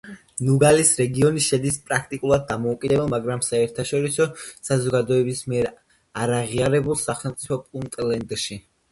ნუგალის რეგიონი შედის პრაქტიკულად დამოუკიდებელ, მაგრამ საერთაშორისო საზოგადოების მიერ არაღიარებულ სახელმწიფო პუნტლენდში.